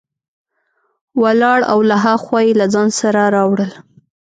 ولاړ او له ها خوا یې له ځان سره راوړل.